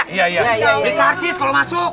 beri karcis kalau masuk